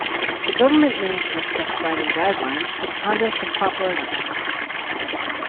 The Government may assist by providing guidelines for the conduct of proper elections.